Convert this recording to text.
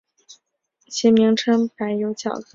其名称柏油脚跟是对北卡罗来纳州人民的昵称。